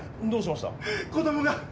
子供が。